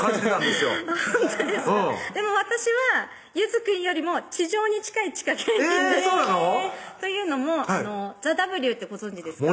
でも私はゆずくんよりも地上に近い地下芸人ですえぇそうなの？というのもＴＨＥＷってご存じですか？